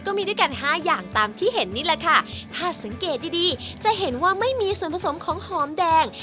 มีด้วยกันห้าอย่างตามที่เห็นนี่แหละค่ะถ้าสังเกตดีดีจะเห็นว่าไม่มีส่วนผสมของหอมแดง